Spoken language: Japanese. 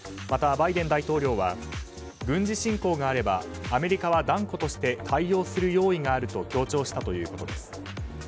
また、バイデン大統領は軍事侵攻があればアメリカは断固として対応する用意があると強調したということです。